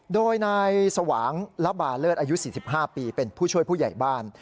โดยนายสวางละบาเลิศอายุ๔๕ปีเป็นผู้ช่วยผู้ใหญ่บ้าน